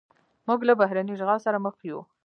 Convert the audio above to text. موږ له بهرني اشغال سره مخ یو.